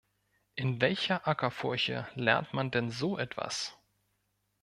In welcher Ackerfurche lernt man denn so etwas?